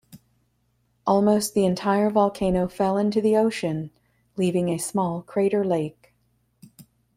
Almost the entire volcano fell into the ocean, leaving a small crater lake.